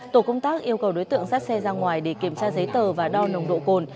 tổ công tác yêu cầu đối tượng sát xe ra ngoài để kiểm tra giấy tờ và đo nồng độ cồn